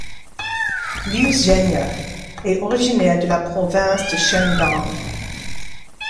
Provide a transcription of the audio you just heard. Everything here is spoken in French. Liu Zhenya est originaire de la province du Shandong.